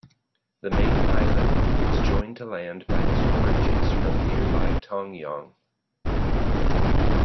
The main island is joined to land by two bridges from nearby Tongyeong.